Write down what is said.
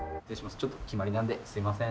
ちょっと決まりなんですみません。